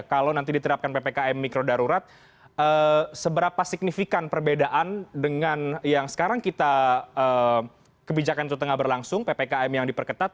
kalau nanti diterapkan ppkm mikro darurat seberapa signifikan perbedaan dengan yang sekarang kita kebijakan itu tengah berlangsung ppkm yang diperketat